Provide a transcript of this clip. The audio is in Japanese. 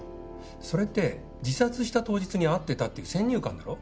それって自殺した当日に会ってたっていう先入観だろ。